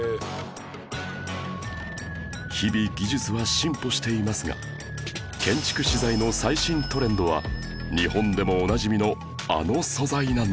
日々技術は進歩していますが建築資材の最新トレンドは日本でもおなじみのあの素材なんです